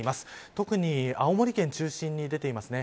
特に青森県中心に出ていますね。